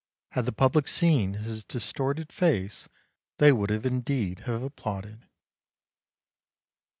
Had the public seen his distorted face they would indeed have applauded.